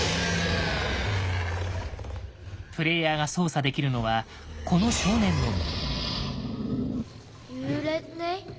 プレイヤーが操作できるのはこの少年のみ。